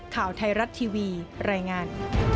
ข่าวไทยรัฐทีวีรายงาน